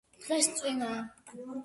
დღეს წვიმააა